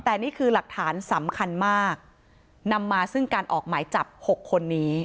แต่นี่คือหลักฐานสำคัญมากนำมาซึ่งการออกหมายจับ๖คนนี้